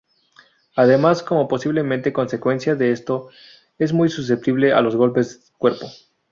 Además como posiblemente consecuencia de esto, es muy susceptible a los golpes cuerpo.